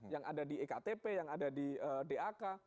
yang ada di ektp yang ada di dak